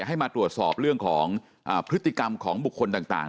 ให้มาตรวจสอบเรื่องของพฤติกรรมของบุคคลต่าง